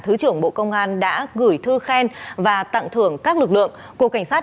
thứ trưởng bộ công an đã gửi thư khen và tặng thưởng các lực lượng cục cảnh sát